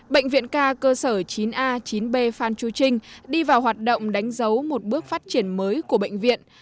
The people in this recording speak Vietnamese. bệnh viện ca cơ sở chín a chín b phan chu trinh đi vào hoạt động đánh dấu một bước phát triển mới của bệnh viện